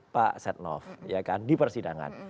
pak setnoff di persidangan